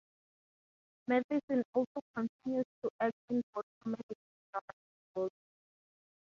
Mathison also continues to act in both comedic and dramatic roles.